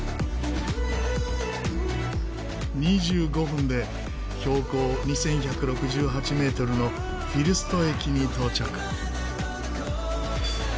２５分で標高２１６８メートルのフィルスト駅に到着。